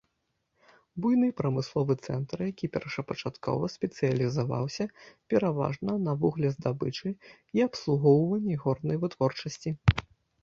Буйны прамысловы цэнтр, які першапачаткова спецыялізаваўся пераважна на вуглездабычы і абслугоўванні горнай вытворчасці.